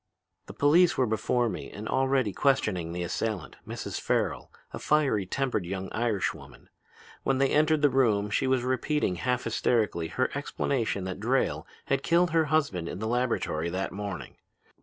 "The police were before me and already questioning the assailant, Mrs. Farrel, a fiery tempered young Irish woman. When I entered the room she was repeating half hysterically her explanation that Drayle had killed her husband in the laboratory that morning.